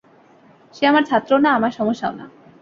সে আমার ছাত্রও না, আমার সমস্যা ও না।